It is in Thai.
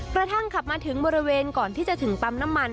กระทั่งขับมาถึงบริเวณก่อนที่จะถึงปั๊มน้ำมัน